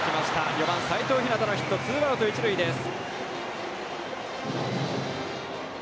４番、齋藤陽のヒットツーアウト、１塁です。